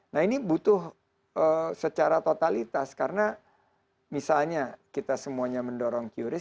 nah ini butuh secara totalitas karena misalnya kita semuanya mendorong qris